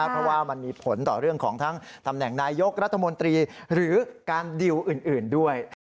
เพราะว่ามันมีผลต่อเรื่องของทั้งตำแหน่งนายยกรัฐมนตรีหรือการดิวอื่นด้วย